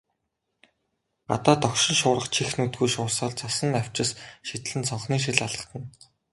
Гадаа догшин шуурга чих нүдгүй шуурсаар, цасан навчис шидлэн цонхны шил алгадна.